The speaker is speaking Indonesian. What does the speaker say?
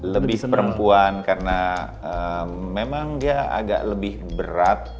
lebih perempuan karena memang dia agak lebih berat